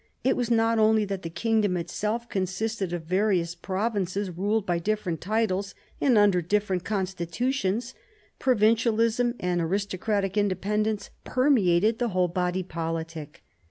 It was not only that the kingdom itself consisted of various provinces ruled by different titles, and under different consti tutions; provincialism and aristocratic independence permeated the whole body politic.